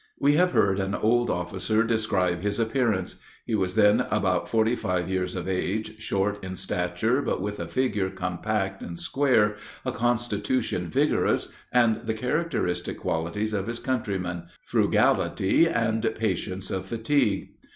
We have heard an old officer describe his appearance. He was then about forty five years of age, short in stature, but with a figure compact and square, a constitution vigorous, and the characteristic qualities of his countrymen frugality, and patience of fatigue.